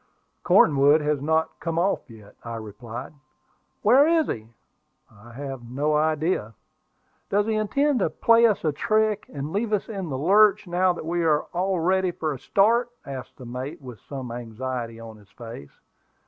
"Cornwood has not come off yet," I replied. "Where is he?" "I have no idea." "Does he intend to play us a trick, and leave us in the lurch, now that we are all ready for a start?" asked the mate, with some anxiety on his face.